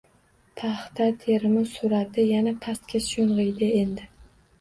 Paxta terimi surʼati yana pastga shoʻngʻiydi endi...